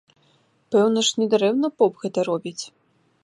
Пэўна ж, не дарэмна поп гэта робіць!